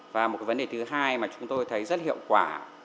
và một vấn đề thứ hai mà chúng tôi thấy rất hiệu quả